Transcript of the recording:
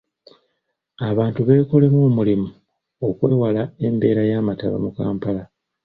Abantu beekolemu omulimu okwewala embeera y’amataba mu Kampala.